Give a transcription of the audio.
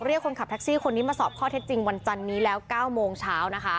เรียกคนขับแท็กซี่คนนี้มาสอบข้อเท็จจริงวันจันนี้แล้ว๙โมงเช้านะคะ